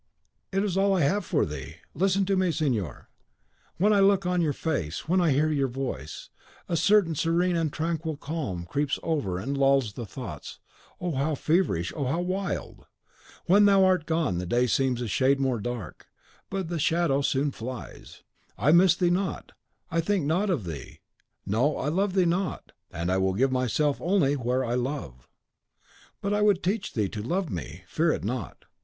"It is all I have for thee. Listen to me, signor: when I look on your face, when I hear your voice, a certain serene and tranquil calm creeps over and lulls thoughts, oh, how feverish, how wild! When thou art gone, the day seems a shade more dark; but the shadow soon flies. I miss thee not; I think not of thee: no, I love thee not; and I will give myself only where I love." "But I would teach thee to love me; fear it not.